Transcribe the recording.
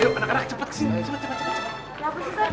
ayo anak anak cepet kesini cepet cepet cepet